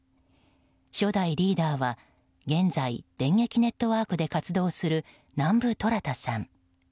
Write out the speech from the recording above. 初代リーダーは現在電撃ネットワークで活動する南部虎弾さん。